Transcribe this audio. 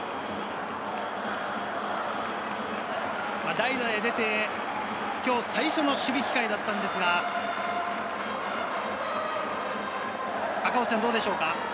代打で出て、今日最初の守備機会だったのですが、どうでしょうか？